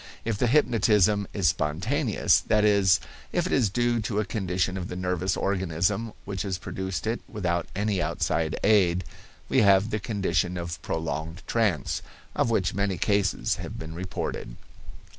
If the hypnotism is spontaneous, that is, if it is due to a condition of the nervous organism which has produced it without any outside aid, we have the condition of prolonged trance, of which many cases have been reported.